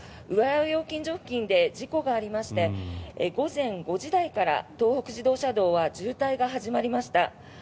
料金所付近で事故がありまして午前６時ぐらいから東北自動車道は渋滞が始まりました。